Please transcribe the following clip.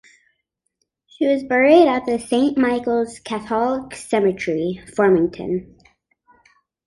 She was buried at the Saint Michaels Catholic Cemetery, Farmington.